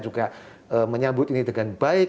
juga menyambut ini dengan baik